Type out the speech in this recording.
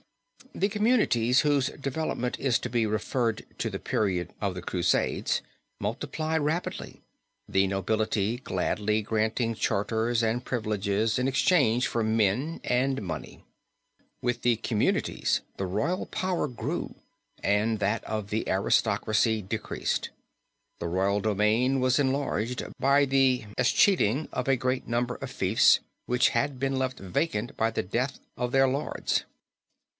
"The communities whose development is to be referred to the period of the Crusades, multiplied rapidly; the nobility gladly granting charters and privileges in exchange for men and money. With the communities the royal power grew, and that of the aristocracy decreased. The royal domain was enlarged, by the escheating of a great number of fiefs which had been left vacant by the death of their lords.